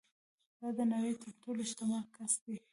دا د نړۍ تر ټولو شتمن کس ده